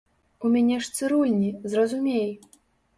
У мяне ж цырульні, зразумей!